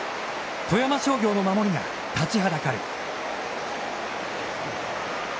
富山商業の守りが立ちはだかる。